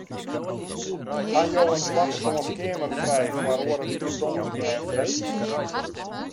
Ha jo in twapersoans keamer frij foar oare wike tongersdei en freed?